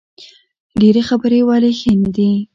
ډیرې خبرې ولې ښې نه دي؟